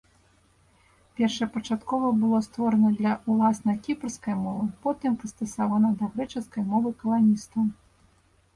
Першапачаткова было створана для ўласна кіпрскай мовы, потым прыстасавана да грэчаскай мовы каланістаў.